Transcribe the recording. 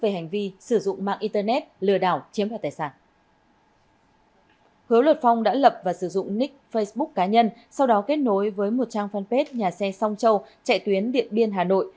hứa luật phong đã lập và sử dụng nick facebook cá nhân sau đó kết nối với một trang fanpage nhà xe song châu chạy tuyến điện biên hà nội